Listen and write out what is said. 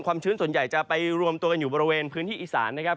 ชื้นส่วนใหญ่จะไปรวมตัวกันอยู่บริเวณพื้นที่อีสานนะครับ